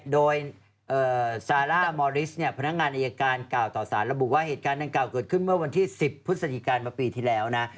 โดยซาร่าอมอริสเนี่ยพนักงานอายการกล่าวต่อสารระบุว่าเหตุการณ์ดังกล่าวเกิดขึ้นเมื่อวันที่๑๐พฤศจิกามาปีที่แล้วนะ